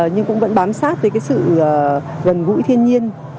nhưng cũng vẫn bám sát với cái sự gần gũi thiên nhiên